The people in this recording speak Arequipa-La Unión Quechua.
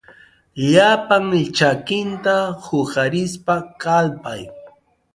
Llapan chakinta huqarispa kallpay.